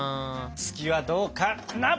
「月」はどうかな！